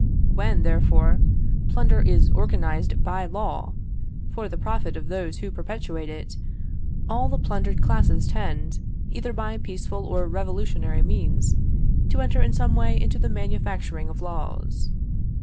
When, therefore, plunder is organised by law, for the profit of those who perpetrate it, all the plundered classes tend, either by peaceful or revolutionary means, to enter in some way into the manufacturing of laws.